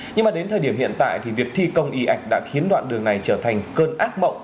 nhưng mà đến thời điểm hiện tại thì việc thi công y ạch đã khiến đoạn đường này trở thành cơn ác mộng